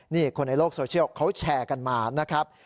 นี่คนในโลกโซเชียลเขาแชร์กันมานะครับ